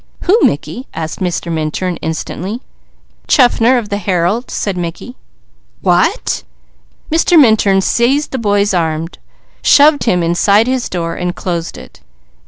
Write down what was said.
"Who, Mickey?" asked Mr. Minturn, instantly. "Chaffner of the Herald," said Mickey. "What!" Mr. Minturn seized the boy's arm, shoved him inside his door and closed it.